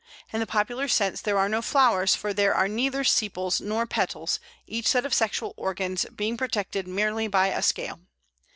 In the popular sense there are no flowers, for there are neither sepals nor petals, each set of sexual organs being protected merely by a scale.